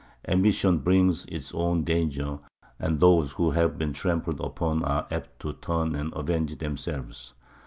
Ambition brings its own dangers, and those who have been trampled upon are apt to turn and avenge themselves.